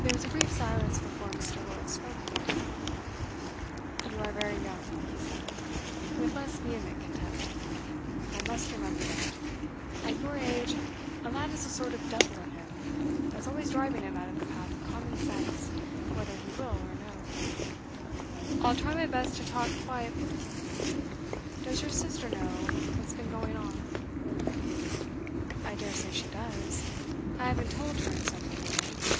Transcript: There was a brief silence before Mr. Lord spoke again. 'You are very young,' he said, with less vehement contempt. 'I must remember that. At your age, a lad has a sort of devil in him, that's always driving him out of the path of common sense, whether he will or no. I'll try my best to talk quietly with you. Does your sister know what has been going on?' 'I daresay she does. I haven't told her in so many words.